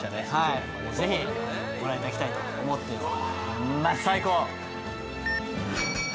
ぜひ、御覧いただきたいと思っています。